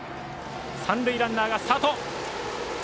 三塁ランナーがスタート。